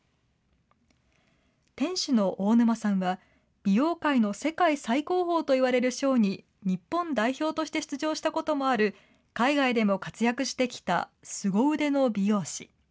店主の大沼さんは、美容界の世界最高峰といわれるショーに日本代表として出場したこともある、海外でも活躍してきた凄腕の美容師。